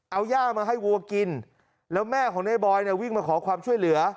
เอาย่ามาให้วัวกินแล้วแม่ของในบอยเนี่ยวิ่งมาขอความช่วยเหลือ